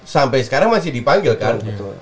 sampai sekarang masih dipanggil kan